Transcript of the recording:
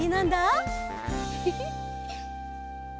フフフッ。